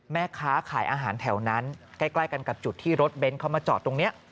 แม่ค้าขายอาหารแถวนั้นใกล้กันกับจุดที่รถเบนท์เขามาจอดตรงนี้